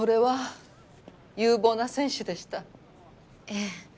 ええ。